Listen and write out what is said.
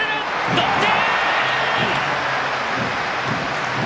同点！